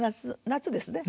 夏ですね。